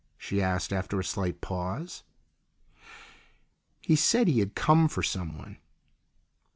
she asked after a slight pause. "He said he had come for someone."